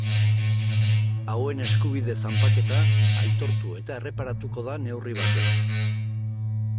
Hauen eskubide zanpaketa aitortu eta erreparatuko da neurri batean.